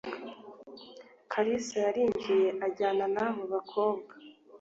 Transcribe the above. Kalisa yarinjiye ajyana n’abo bakobwa